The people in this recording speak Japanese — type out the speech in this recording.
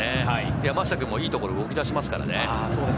山下君もいいところに動き出しますからね。